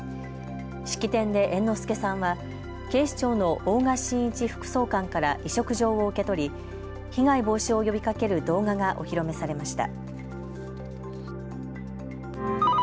式典で猿之助さんは警視庁の大賀眞一副総監から委嘱状を受け取り被害防止を呼びかける動画がお披露目されました。